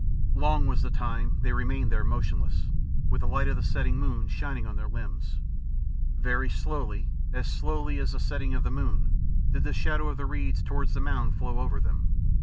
Long was the time they remained there motionless, with the light of the setting moon shining on their limbs. Very slowly, as slowly as the setting of the moon, did the shadow of the reeds towards the mound flow over them.